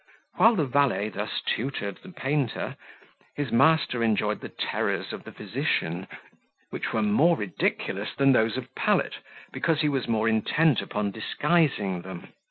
While the valet thus tutored the painter, his master enjoyed the terrors of the physician, which were more ridiculous than those of Pallet, because he was more intent upon disguising them.